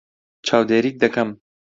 چاودێریت دەکەم.